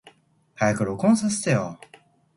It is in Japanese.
早く録音させてよ。